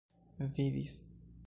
vidis